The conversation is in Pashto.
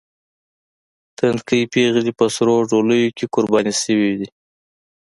تنکۍ پېغلې په سرو ډولیو کې قرباني شوې دي.